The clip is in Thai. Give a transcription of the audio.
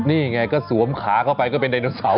นี่ไงก็สวมขาเข้าไปก็เป็นไดโนเสาร์